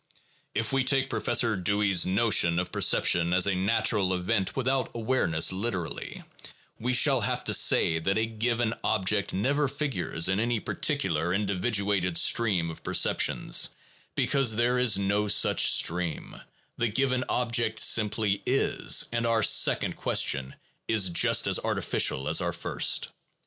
If we take Professor Dewey's notion of perception as a natural event without awareness literally, we shall have to say that a given object never figures in any particular individuated stream of perceptions, because there is no such stream ; the given object simply is, and our second question is just as artificial as our first.